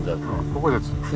ここです。